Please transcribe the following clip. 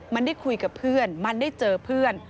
มันได้คุยกับเพื่อนมันได้เจอเพื่อน